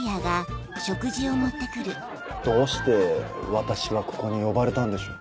どうして私はここに呼ばれたんでしょう。